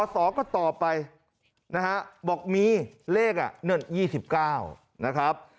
สอก็ตอบไปนะฮะบอกมีเลขนั่น๒๙นะครับ